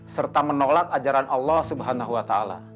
serta menolak ajaran allah swt